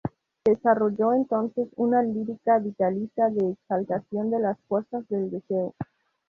Desarrolló entonces una lírica vitalista de exaltación de las fuerzas del deseo.